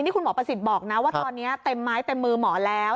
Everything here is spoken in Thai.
นี่คุณหมอประสิทธิ์บอกนะว่าตอนนี้เต็มไม้เต็มมือหมอแล้ว